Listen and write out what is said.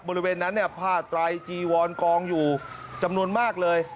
บริเวณนั้นเนี่ยผ้าไตรจีวอนกองอยู่จำนวนมากเลย